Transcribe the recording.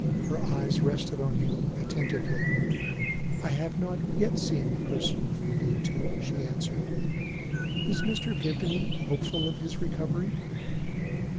Her eyes rested on him attentively. "I have not yet seen the person you allude to," she answered. "Is Mr. Vimpany hopeful of his recovery?"